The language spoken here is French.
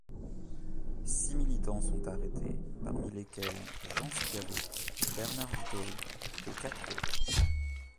Six militants sont arrêtés, parmi lesquels Jean Schiavo, Bernard Vittori, et quatre autres.